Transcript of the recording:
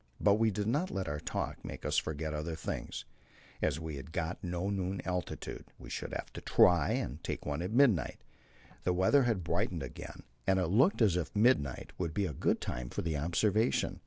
But we did not let our talk make us forget other things. As we had got no noon altitude, we should have to try and take one at midnight. The weather had brightened again, and it looked as if midnight would be a good time for the observation.